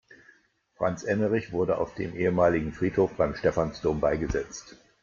Franz Emerich wurde auf dem ehemaligen Friedhof beim Stephansdom beigesetzt.